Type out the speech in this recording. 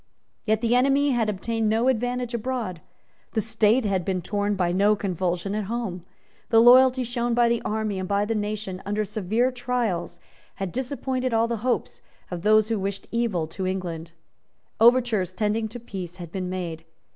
Yet the enemy had obtained no advantage abroad; the State had been torn by no convulsion at home; the loyalty shown by the army and by the nation under severe trials had disappointed all the hopes of those who wished evil to England. Overtures tending to peace had been made.